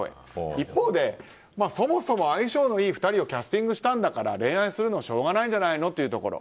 一方でそもそも相性のいい２人をキャスティングしたんだから恋愛するのはしょうがないんじゃないのというところ。